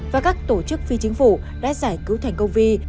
và các tổ chức phi chính phủ đã giải cứu thành công vi